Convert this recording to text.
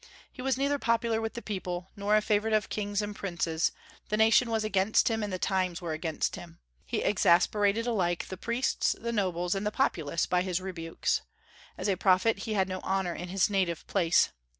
He was neither popular with the people, nor a favorite of kings and princes; the nation was against him and the times were against him. He exasperated alike the priests, the nobles, and the populace by his rebukes. As a prophet he had no honor in his native place.